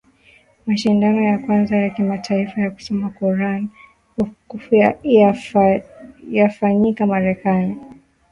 Mashindano ya kwanza ya kimataifa ya kusoma Quran yafanyika Marekani